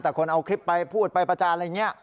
แต่คนเอาคลิปไปพูดไปประจานอะไรอย่างนี้